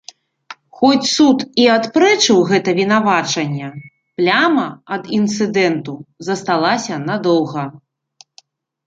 Хоць суд і адпрэчыў гэта вінавачанне, пляма ад інцыдэнту засталася надоўга.